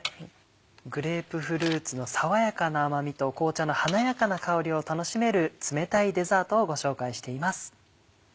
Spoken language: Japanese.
グレープフルーツの爽やかな甘みと紅茶の華やかな香りを楽しめる冷たいデザートをご紹介しています。